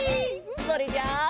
それじゃあ。